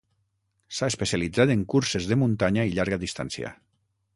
S'ha especialitzat en curses de muntanya i llarga distància.